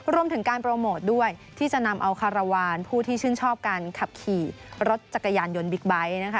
รวมถึงการโปรโมทด้วยที่จะนำเอาคารวาลผู้ที่ชื่นชอบการขับขี่รถจักรยานยนต์บิ๊กไบท์นะคะ